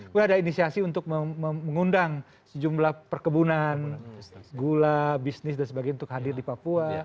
kemudian ada inisiasi untuk mengundang sejumlah perkebunan gula bisnis dan sebagainya untuk hadir di papua